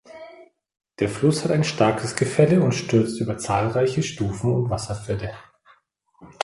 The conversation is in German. Der Fluss hat ein starkes Gefälle und stürzt über zahlreiche Stufen und Wasserfälle.